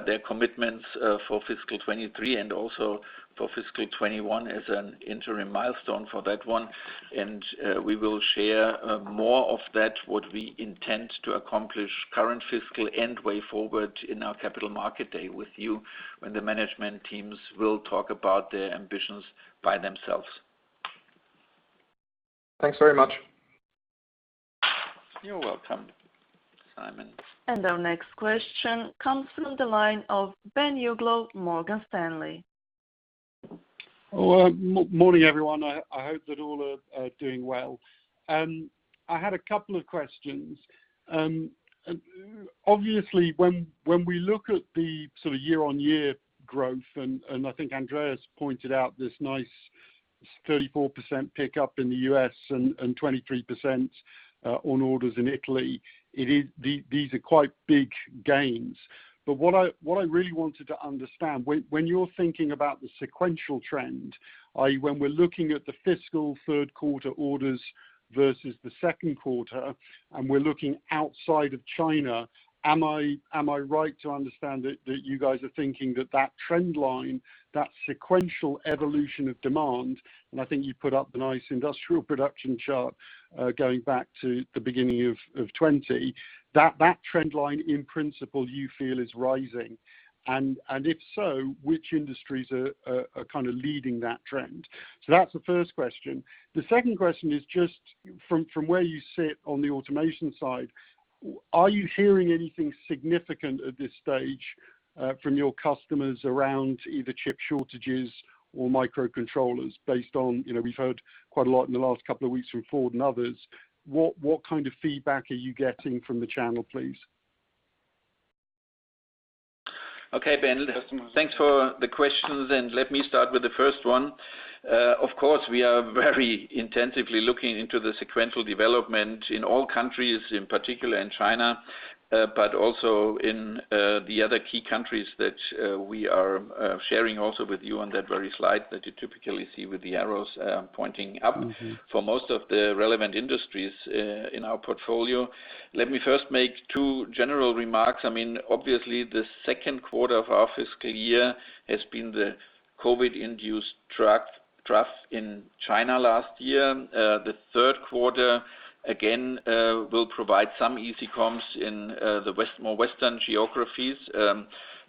their commitments for fiscal 2023 and also for fiscal 2021 as an interim milestone for that one. We will share more of that, what we intend to accomplish current fiscal and way forward in our Capital Market Day with you when the management teams will talk about their ambitions by themselves. Thanks very much. You're welcome, Simon. Our next question comes from the line of Ben Uglow, Morgan Stanley. Well, morning, everyone. I hope that all are doing well. I had a couple of questions. When we look at the sort of year-over-year growth, and I think Andreas pointed out this nice 34% pickup in the U.S. and 23% on orders in Italy, these are quite big gains. What I really wanted to understand, when you're thinking about the sequential trend, i.e., when we're looking at the fiscal third quarter orders versus the second quarter, and we're looking outside of China, am I right to understand that you guys are thinking that that trend line, that sequential evolution of demand, and I think you put up the nice industrial production chart going back to the beginning of 2020, that that trend line in principle you feel is rising? If so, which industries are kind of leading that trend? That's the first question. The second question is just from where you sit on the automation side, are you hearing anything significant at this stage from your customers around either chip shortages or microcontrollers? We've heard quite a lot in the last couple of weeks from Ford and others. What kind of feedback are you getting from the channel, please? Okay, Ben. Thanks for the questions. Let me start with the first one. Of course, we are very intensively looking into the sequential development in all countries, in particular in China, but also in the other key countries that we are sharing also with you on that very slide that you typically see with the arrows pointing up for most of the relevant industries in our portfolio. Let me first make two general remarks. Obviously, the second quarter of our fiscal year has been the COVID-induced trough in China last year. The third quarter again will provide some easy comps in the more Western geographies.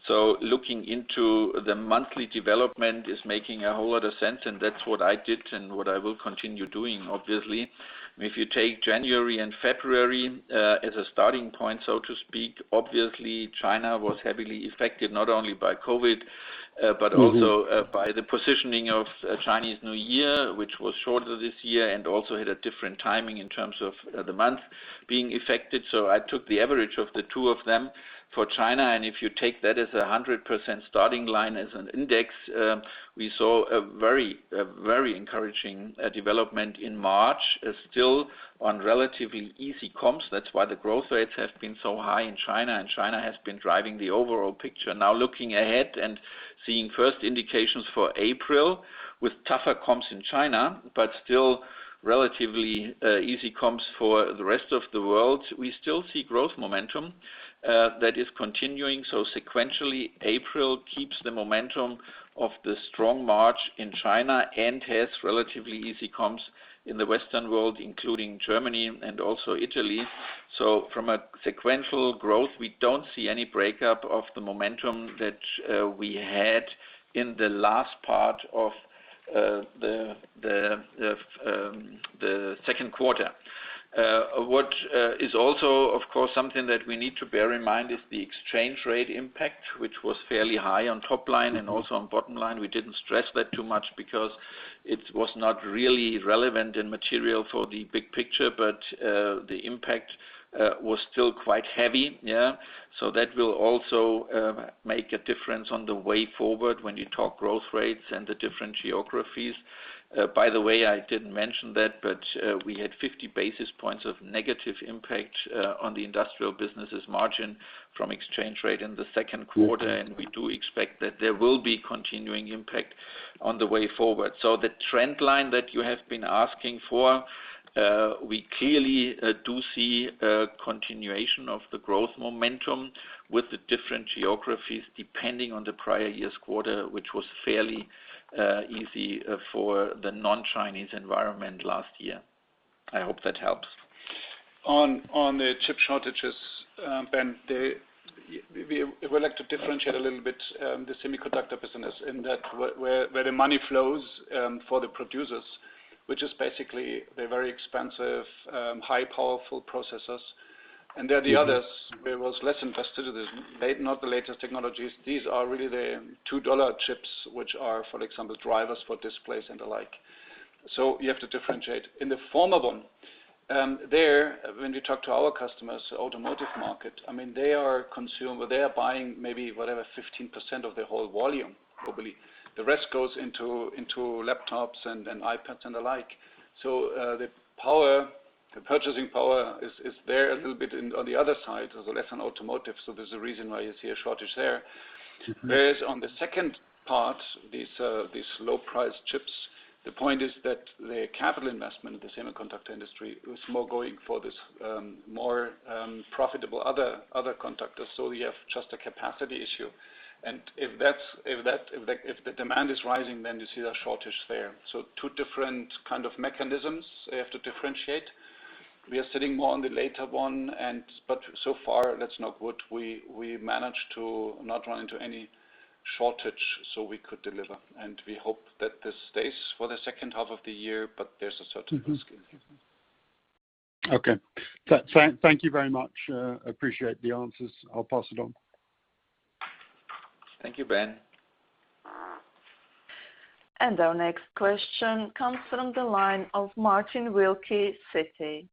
Looking into the monthly development is making a whole lot of sense. That's what I did and what I will continue doing, obviously. If you take January and February as a starting point, so to speak, obviously China was heavily affected not only by COVID-19, but also by the positioning of Chinese New Year, which was shorter this year and also had a different timing in terms of the month being affected. I took the average of the two of them for China, and if you take that as 100% starting line as an index, we saw a very encouraging development in March, still on relatively easy comps. That's why the growth rates have been so high in China, and China has been driving the overall picture. Now looking ahead and seeing first indications for April with tougher comps in China, but still relatively easy comps for the rest of the world, we still see growth momentum that is continuing. Sequentially, April keeps the momentum of the strong March in China and has relatively easy comps in the Western world, including Germany and also Italy. From a sequential growth, we don't see any breakup of the momentum that we had in the last part of the second quarter. What is also, of course, something that we need to bear in mind is the exchange rate impact, which was fairly high on top line and also on bottom line. We didn't stress that too much because it was not really relevant in material for the big picture, but the impact was still quite heavy. That will also make a difference on the way forward when you talk growth rates and the different geographies. By the way, I didn't mention that, but we had 50 basis points of negative impact on the industrial businesses margin from exchange rate in the second quarter, and we do expect that there will be continuing impact on the way forward. The trend line that you have been asking for, we clearly do see a continuation of the growth momentum with the different geographies depending on the prior year's quarter, which was fairly easy for the non-Chinese environment last year. I hope that helps. On the chip shortages, Ben, we would like to differentiate a little bit the semiconductor business in that where the money flows for the producers. Which is basically the very expensive, high powerful processors. There are the others, where it was less invested in. Not the latest technologies. These are really the EUR 2 chips, which are, for example, drivers for displays and the like. You have to differentiate. In the former one, there, when you talk to our customers, the automotive market, they are buying maybe, whatever, 15% of the whole volume, probably. The rest goes into laptops and iPads and the like. The purchasing power is there a little bit. On the other side, there is less on automotive, so there is a reason why you see a shortage there. On the second part, these low-priced chips, the point is that the capital investment in the semiconductor industry is more going for this more profitable other conductors. We have just a capacity issue. If the demand is rising, you see a shortage there. Two different kind of mechanisms, they have to differentiate. We are sitting more on the latter one, but so far that's not what we managed to not run into any shortage, so we could deliver. We hope that this stays for the second half of the year, but there's a certainty. Okay. Thank you very much. Appreciate the answers. I'll pass it on. Thank you, Ben. Our next question comes from the line of Martin Wilkie, Citi.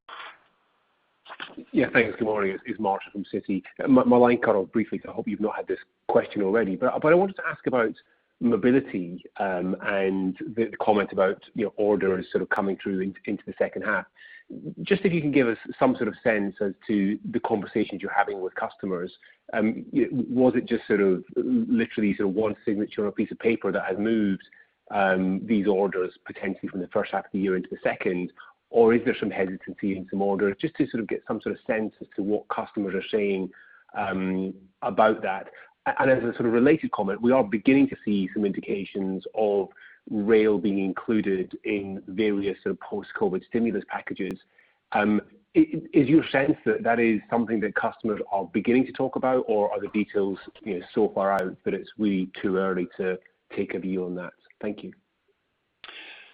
Yeah. Thanks. Good morning. It's Martin from Citi. My line cut off briefly, so I hope you've not had this question already. I wanted to ask about Siemens Mobility, and the comment about orders coming through into the second half. Just if you can give us some sort of sense as to the conversations you're having with customers. Was it just literally one signature or piece of paper that has moved these orders potentially from the first half of the year into the second, or is there some hesitancy in some orders? Just to get some sort of sense as to what customers are saying about that. As a sort of related comment, we are beginning to see some indications of rail being included in various post-COVID stimulus packages. Is your sense that that is something that customers are beginning to talk about, or are the details so far out that it's really too early to take a view on that? Thank you.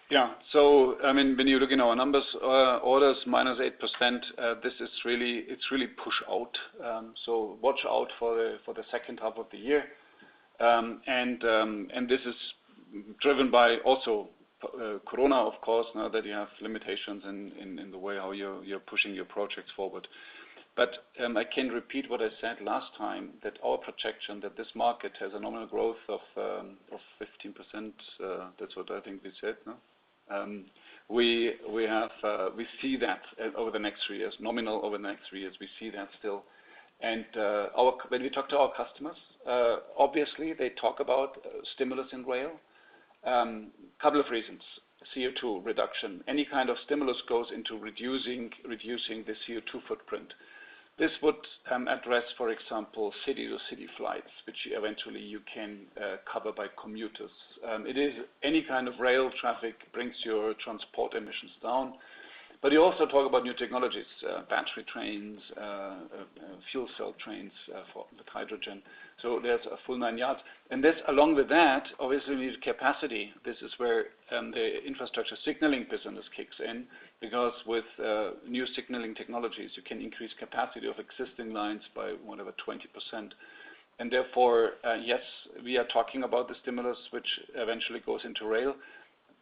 Yeah. When you look in our numbers, orders minus 8%, it's really push out. Watch out for the second half of the year. This is driven by also COVID-19, of course, now that you have limitations in the way how you're pushing your projects forward. I can repeat what I said last time, that our projection that this market has a nominal growth of 15%. That's what I think we said, no? We see that over the next three years. Nominal over the next three years. We see that still. When we talk to our customers, obviously they talk about stimulus in rail. Couple of reasons. CO2 reduction. Any kind of stimulus goes into reducing the CO2 footprint. This would address, for example, city-to-city flights, which eventually you can cover by commuters. Any kind of rail traffic brings your transport emissions down. You also talk about new technologies, battery trains, fuel cell trains with hydrogen. There's a full nine yards. Along with that, obviously you need capacity. This is where the infrastructure signaling business kicks in, because with new signaling technologies, you can increase capacity of existing lines by whatever, 20%. Therefore, yes, we are talking about the stimulus which eventually goes into rail.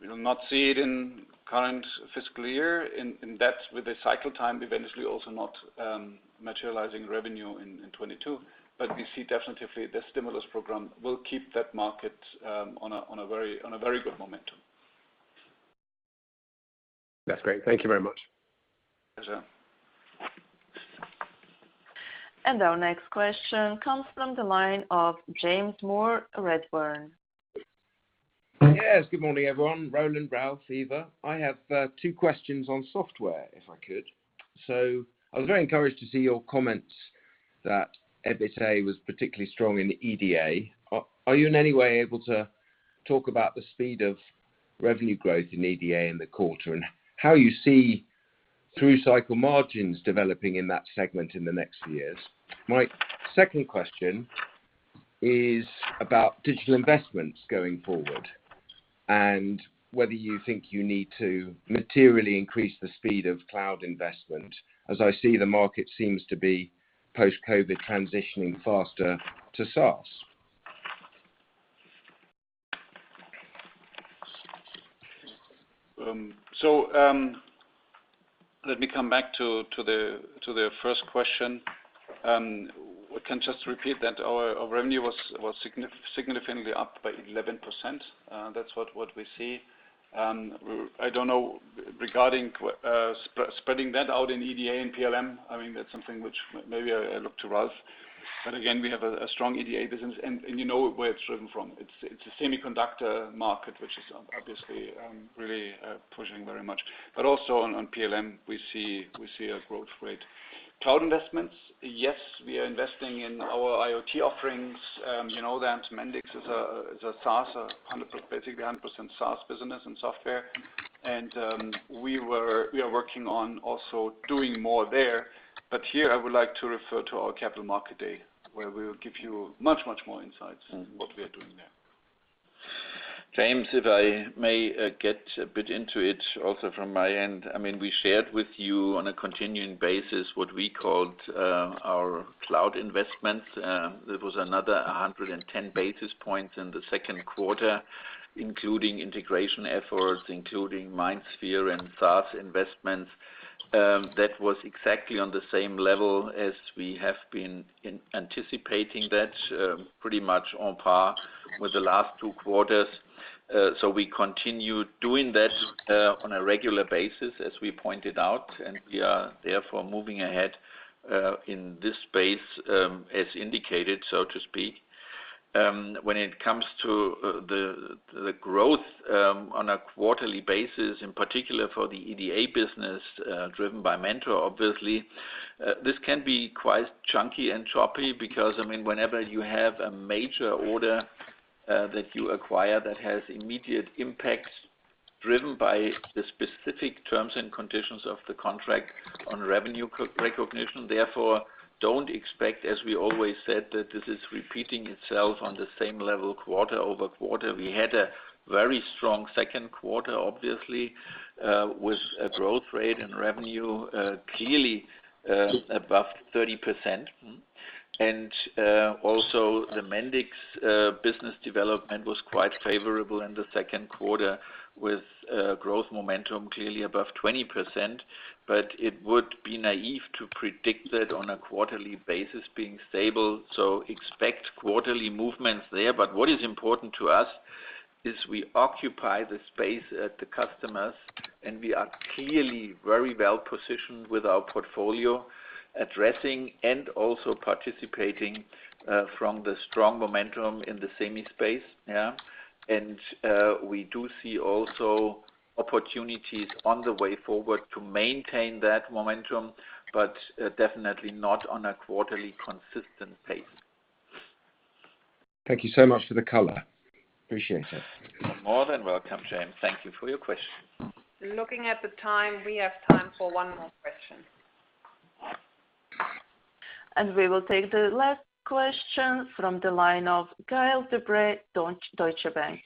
We will not see it in current fiscal year, in that with the cycle time, eventually also not materializing revenue in 2022. We see definitively the stimulus program will keep that market on a very good momentum. That's great. Thank you very much. Pleasure. Our next question comes from the line of James Moore, Redburn. Yes. Good morning, everyone. Roland, Ralf, Eva. I have two questions on software, if I could. I was very encouraged to see your comments that EBITDA was particularly strong in the EDA. Are you in any way able to talk about the speed of revenue growth in EDA in the quarter, and how you see through-cycle margins developing in that segment in the next years? My second question is about digital investments going forward, and whether you think you need to materially increase the speed of cloud investment. As I see, the market seems to be post-COVID-19 transitioning faster to SaaS. Let me come back to the first question. I can just repeat that our revenue was significantly up by 11%. That's what we see. I don't know regarding spreading that out in EDA and PLM. That's something which maybe I look to Ralf. Again, we have a strong EDA business, and you know where it's driven from. It's a semiconductor market, which is obviously really pushing very much. Also on PLM, we see a growth rate. Cloud investments, yes, we are investing in our IoT offerings. You know that Mendix is a basically 100% SaaS business in software. We are working on also doing more there. Here I would like to refer to our Capital Market Day, where we will give you much, much more insights in what we are doing there. James, if I may get a bit into it also from my end. We shared with you on a continuing basis what we called our cloud investment. There was another 110 basis points in the second quarter, including integration efforts, including MindSphere and SaaS investments. That was exactly on the same level as we have been anticipating that, pretty much on par with the last two quarters. We continue doing that on a regular basis, as we pointed out, and we are therefore moving ahead in this space as indicated, so to speak. When it comes to the growth on a quarterly basis, in particular for the EDA business driven by Mentor, obviously, this can be quite chunky and choppy because, whenever you have a major order that you acquire that has immediate impact driven by the specific terms and conditions of the contract on revenue recognition, therefore, don't expect, as we always said, that this is repeating itself on the same level quarter-over-quarter. We had a very strong second quarter, obviously, with a growth rate in revenue clearly above 30%. Also the Mendix business development was quite favorable in the second quarter with growth momentum clearly above 20%, but it would be naive to predict that on a quarterly basis being stable. Expect quarterly movements there. What is important to us is we occupy the space at the customers, and we are clearly very well positioned with our portfolio, addressing and also participating from the strong momentum in the semi space. Yeah. We do see also opportunities on the way forward to maintain that momentum, but definitely not on a quarterly consistent pace. Thank you so much for the color. Appreciate it. You're more than welcome, James. Thank you for your question. Looking at the time, we have time for one more question. We will take the last question from the line of Gael de-Bray, Deutsche Bank.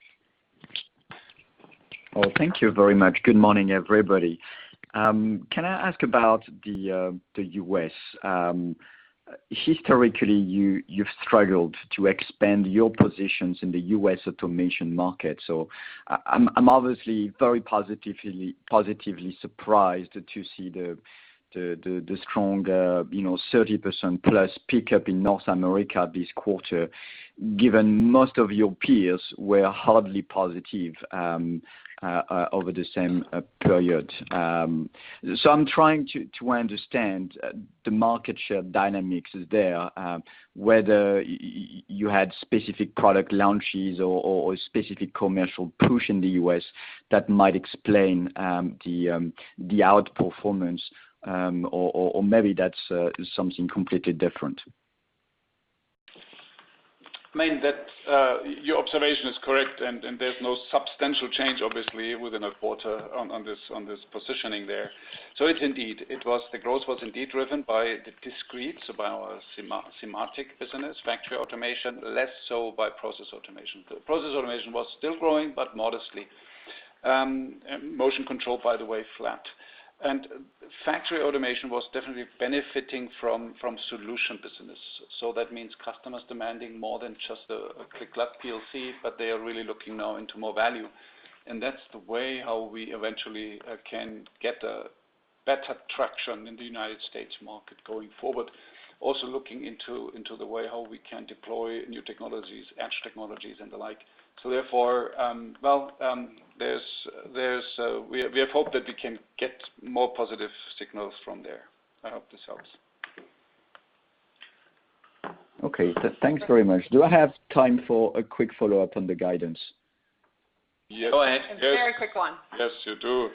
Well, thank you very much. Good morning, everybody. Can I ask about the U.S.? Historically, you've struggled to expand your positions in the U.S. automation market. I'm obviously very positively surprised to see the strong 30% plus pickup in North America this quarter, given most of your peers were hardly positive over the same period. I'm trying to understand the market share dynamics there, whether you had specific product launches or a specific commercial push in the U.S. that might explain the outperformance. Maybe that's something completely different. I mean, your observation is correct, and there's no substantial change, obviously, within a quarter on this positioning there. Indeed, the growth was indeed driven by the discrete, so by our Simatic business factory automation, less so by process automation. Process automation was still growing, but modestly. Motion control, by the way, flat. Factory automation was definitely benefiting from solution business. That means customers demanding more than just a CLICK PLC, but they are really looking now into more value. That's the way how we eventually can get a better traction in the U.S. market going forward. Also looking into the way how we can deploy new technologies, edge technologies, and the like. Therefore, we have hope that we can get more positive signals from there. I hope this helps. Okay. Thanks very much. Do I have time for a quick follow-up on the guidance? Yes. Go ahead. A very quick one. Yes, you do.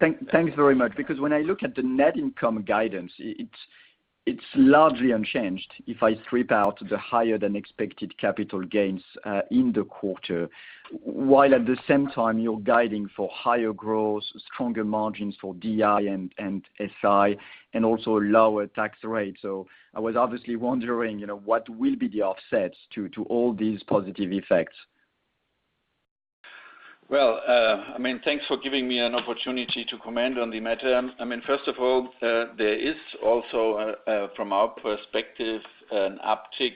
Thanks very much. When I look at the net income guidance, it's largely unchanged if I strip out the higher than expected capital gains in the quarter, while at the same time you're guiding for higher growth, stronger margins for DI and SI, and also a lower tax rate. I was obviously wondering what will be the offsets to all these positive effects. Well, thanks for giving me an opportunity to comment on the matter. There is also, from our perspective, an uptick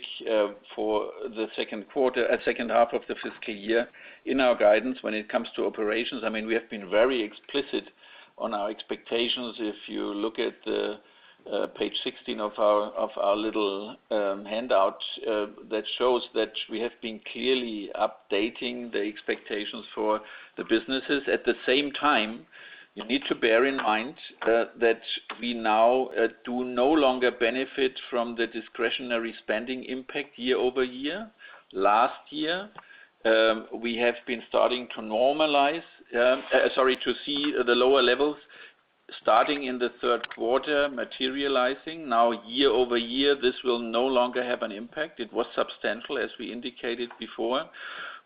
for the second half of the fiscal year in our guidance when it comes to operations. We have been very explicit on our expectations. If you look at page 16 of our little handout, that shows that we have been clearly updating the expectations for the businesses. You need to bear in mind that we now do no longer benefit from the discretionary spending impact year-over-year. Last year, we have been starting to normalize, sorry, to see the lower levels starting in the third quarter materializing. Year-over-year, this will no longer have an impact. It was substantial, as we indicated before.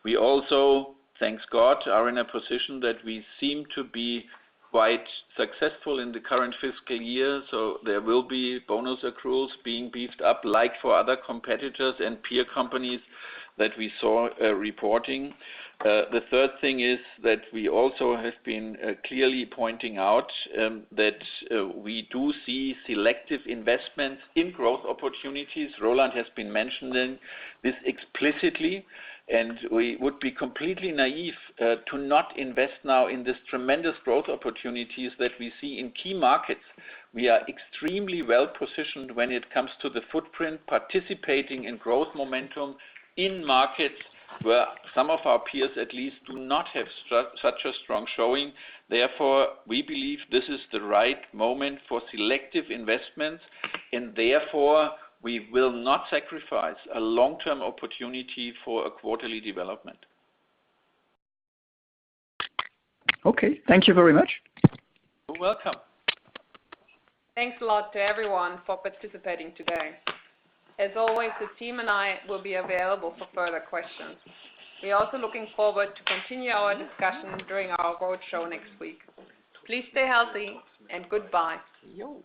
We also, thank God, are in a position that we seem to be quite successful in the current fiscal year, so there will be bonus accruals being beefed up like for other competitors and peer companies that we saw reporting. The third thing is that we also have been clearly pointing out that we do see selective investments in growth opportunities. Roland has been mentioning this explicitly, and we would be completely naive to not invest now in this tremendous growth opportunities that we see in key markets. We are extremely well positioned when it comes to the footprint, participating in growth momentum in markets where some of our peers at least do not have such a strong showing. Therefore, we believe this is the right moment for selective investments, and therefore, we will not sacrifice a long-term opportunity for a quarterly development. Okay. Thank you very much. You're welcome. Thanks a lot to everyone for participating today. As always, the team and I will be available for further questions. We're also looking forward to continue our discussion during our roadshow next week. Please stay healthy, and goodbye. Yo.